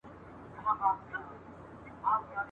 دا پنځوس کاله پراته پر زکندن یو !.